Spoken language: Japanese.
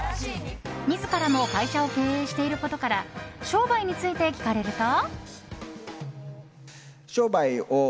自らも会社を経営していることから商売について聞かれると。